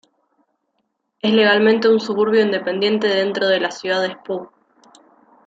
Es legalmente un suburbio independiente dentro de la ciudad de Espoo.